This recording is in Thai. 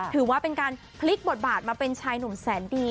ถือว่าเป็นการพลิกบทบาทมาเป็นชายหนุ่มแสนดี